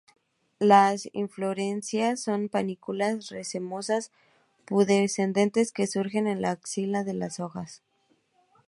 Las inflorescencias son panículas racemosas pubescentes que surgen en las axilas de las hojas.